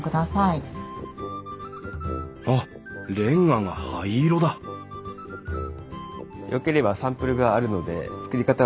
あっレンガが灰色だよければサンプルがあるので作り方を説明しましょうか？